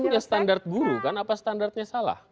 tapi kan kita punya standar guru kan apa standarnya salah